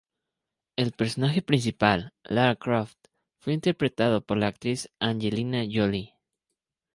El personaje principal, Lara Croft, fue interpretado por la actriz Angelina Jolie.